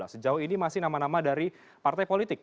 sejauh ini masih nama nama dari partai politik